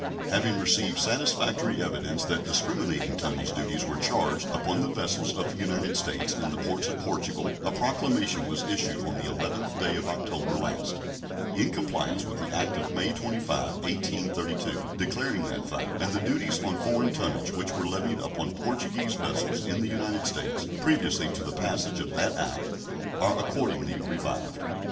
Having received satisfactory evidence that discriminating tonnage duties were charged upon the vessels of the United States in the ports of Portugal, a proclamation was issued on the 11th day of October last, in compliance with the act of May 25, 1832, declaring that fact, and the duties on foreign tonnage which were levied upon Portuguese vessels in the United States previously to the passage of that act are accordingly revived.